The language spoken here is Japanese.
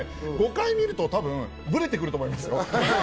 ５回見ると多分ぶれてくると思いますよ。